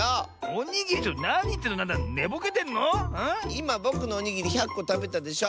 いまぼくのおにぎり１００こたべたでしょ！